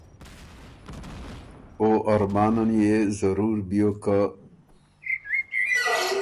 او ارمانن يې ضرور بیوک که